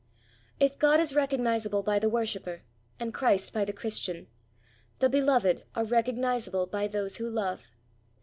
If God is recognisable by the worshipper, and Christ by the Christian, the beloved are recognisable by those who love.